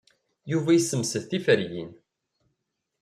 Yuba yessemsed tiferyin.